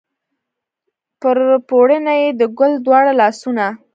پر پوړني یې د ګل دواړه لاسونه